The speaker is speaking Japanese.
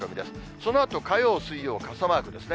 そのあと、火曜、水曜、傘マークですね。